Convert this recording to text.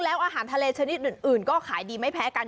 แล้วอาหารทะเลชนิดอื่นก็ขายดีไม่แพ้กัน